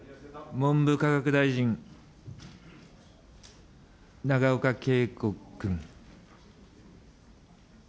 文部科学大臣、永岡桂子君。